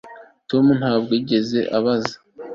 Tom ntabwo yigeze abaza